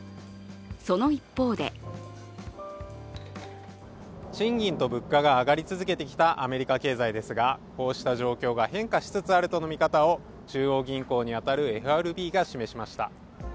その一方で賃金と物価が上がり続けてきたアメリカ経済ですがこうした状況が変化しつつあるとの見方を中央銀行に当たるＦＲＢが示しました。